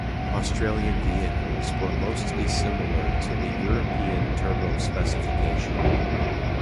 Australian vehicles were mostly similar to the European Turbo specification.